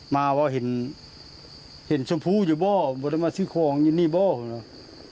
มาว่าเห็นเห็นสมภูย์อยู่บ้ามาซื้อของอยู่นี่บ้า